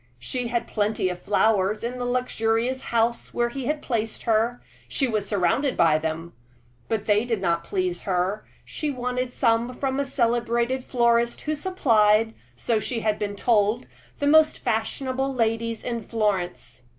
She had plenty of flowers in the luxurious house where he had placed her she was surrounded by them but they did not please her; she wanted some from a celebrated florist who supplied so she had been told the most fashionable ladies in Florence.